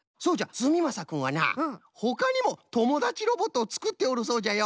すみまさくんはなほかにもともだちロボットをつくっておるそうじゃよ。